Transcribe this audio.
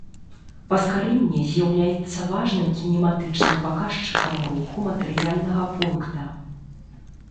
Паскарэнне з'яўляецца важным кінематычным паказчыкам руху матэрыяльнага пункта.